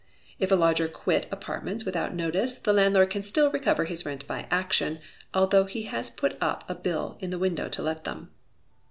If a lodger quit apartments without notice, the landlord can still recover his rent by action, although he has put up a bill in the window to let them.